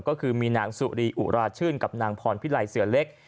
ก็คือมีนางสุรีอุราชื่นกับนางพรพิไลเสือเล็ก